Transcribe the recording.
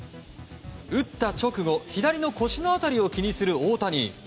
打った直後左の腰の辺りを気にする大谷。